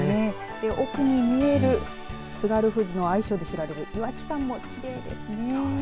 奥に見える津軽富士の愛称で知られる岩木山もきれいですね。